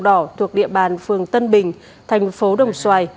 khu vực đường đỏ thuộc địa bàn phường tân bình thành phố đồng xoài